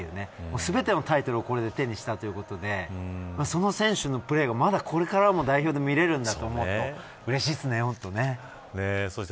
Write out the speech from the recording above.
全てのタイトルを、これで手にしたということでその選手のプレーがまだこれからも代表で見れるんだそして